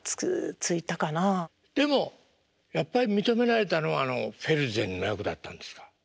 でもやっぱり認められたのはあのフェルゼンの役だったんですか？